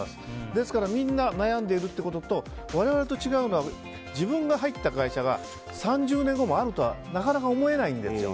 ですから、みんな悩んでいるということと我々と違うのは自分が入った会社が３０年後もあるとはなかなか思えないんですよ。